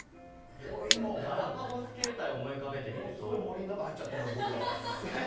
ガラパゴス携帯を思い浮かべてみるとものすごい森の中に入っちゃったよ、僕は。